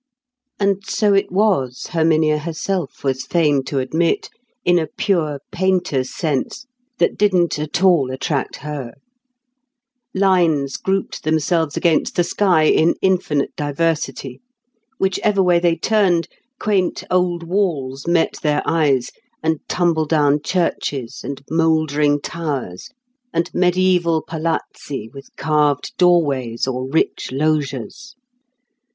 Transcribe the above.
And so it was, Herminia herself was fain to admit, in a pure painter's sense that didn't at all attract her. Lines grouped themselves against the sky in infinite diversity. Whichever way they turned, quaint old walls met their eyes, and tumble down churches, and mouldering towers, and mediæval palazzi with carved doorways or rich loggias.